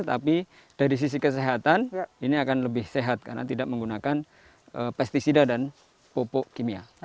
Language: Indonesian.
tapi dari sisi kesehatan ini akan lebih sehat karena tidak menggunakan pesticida dan pupuk kimia